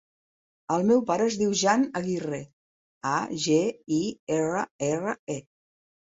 El meu pare es diu Jan Agirre: a, ge, i, erra, erra, e.